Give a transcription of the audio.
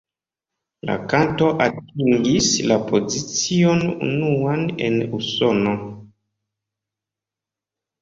La kanto atingis la pozicion unuan en Usono.